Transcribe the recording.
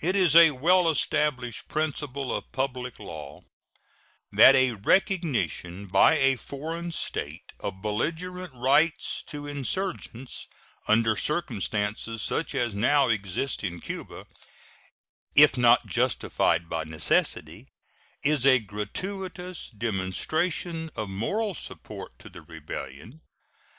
It is a well established principle of public law that a recognition by a foreign state of belligerent rights to insurgents under circumstances such as now exist in Cuba, if not justified by necessity, is a gratuitous demonstration of moral support to the rebellion.